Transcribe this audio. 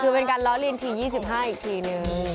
คือเป็นการล้อเลียนที๒๕อีกทีนึง